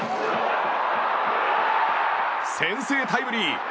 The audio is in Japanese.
先制タイムリー。